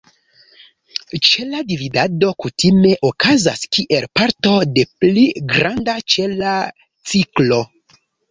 Ĉela dividado kutime okazas kiel parto de pli granda ĉela ciklo.